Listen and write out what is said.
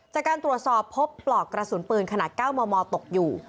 จากการตรวจสอบพบปลอกกระสุนปืนขนาด๙มมตกอยู่